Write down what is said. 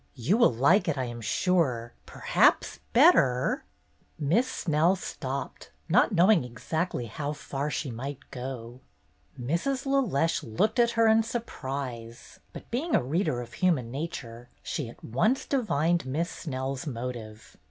You will like it, I am sure, perhaps better —" Miss Snell stopped, not knowing exactly how far she might go. Mrs. LeLeche looked at her in surprise, but being a reader of human nature, she at once divined Miss Snell's motive.